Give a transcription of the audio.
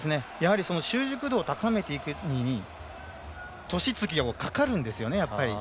習熟度を高めていくのに年月がかかるんですよ、やっぱり。